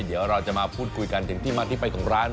เดี๋ยวเราจะมาพูดคุยกันถึงที่มาที่ไปของร้าน